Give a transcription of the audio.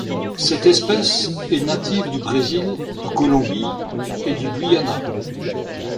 Cette espèce est native du Brésil, de Colombie et du Guyana.